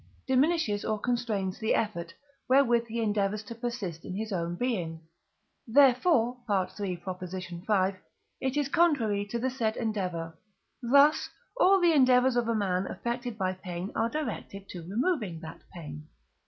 diminishes or constrains the effort, wherewith he endeavours to persist in his own being; therefore (III. v.) it is contrary to the said endeavour: thus all the endeavours of a man affected by pain are directed to removing that pain.